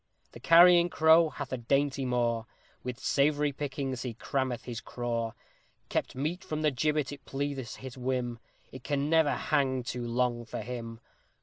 _ The Carrion Crow hath a dainty maw, With savory pickings he crammeth his craw; Kept meat from the gibbet it pleaseth his whim, It can never hang too long for him!